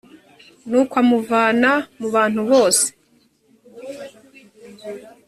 nuko amuvana mu bantu bose